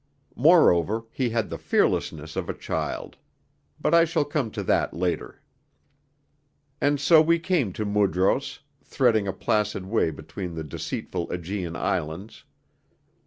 Moreover, he had the fearlessness of a child but I shall come to that later. And so we came to Mudros, threading a placid way between the deceitful Aegean Islands.